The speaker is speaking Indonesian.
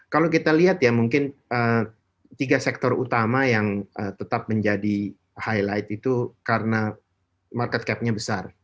kalau kita lihat ya mungkin tiga sektor utama yang tetap menjadi highlight itu karena market capnya besar